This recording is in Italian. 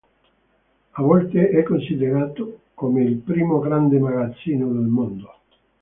A volte è considerato come il "primo grande magazzino del mondo".